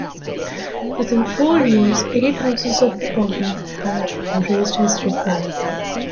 Within four years, eight houses of the Order had embraced his reform.